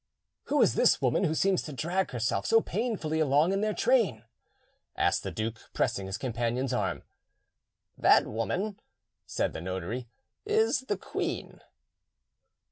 "Who is the woman who seems to drag herself so painfully along in their train?" asked the duke, pressing his companion's arm. "That woman," said the notary, "is the queen."